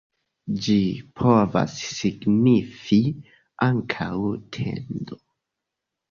Ĝi povas signifi ankaŭ "tendo".